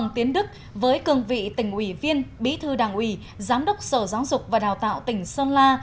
tiến đức với cường vị tỉnh ủy viên bí thư đảng ủy giám đốc sở giáo dục và đào tạo tỉnh sơn la